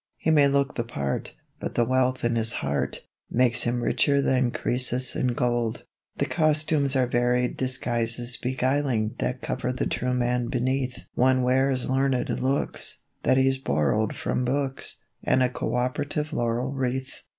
He may look the part, But the wealth in his heart, Makes him richer than Croesus in gold. The costumes are varied disguises beguiling That cover the true man beneath One wears learned looks, That he's borrowed from books And a co operative laurel wreath.